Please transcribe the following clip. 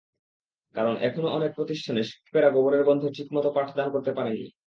কারণ, এখনো অনেক প্রতিষ্ঠানে শিক্ষকেরা গোবরের গন্ধে ঠিকমতো পাঠদান করতে পারেন না।